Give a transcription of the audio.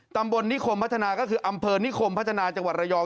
ตำบลนิคมพัฒนาก็คืออำเภอนิคมพัฒนาจังหวัดระยอง